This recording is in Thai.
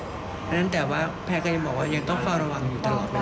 อันนั้นแต่ว่าแพทย์ก็ยังบอกว่ายังต้องฟังระวังอยู่ตลอดนะครับ